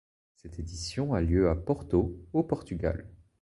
Cette édition a lieu à Porto, au Portugal.